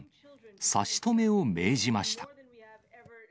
差し止めを命じました。